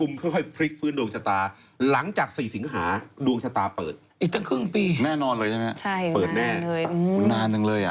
แน่นอนเลยใช่ไหมเปิดแน่โอ้โหนานนึงเลย